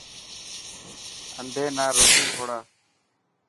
انڌي نا روٽي کوڙا.